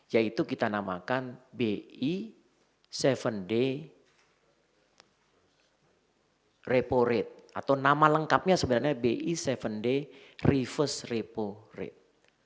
yaitu kita namakan bi tujuh day repo rate atau nama lengkapnya sebenarnya bi tujuh day reverse repo rate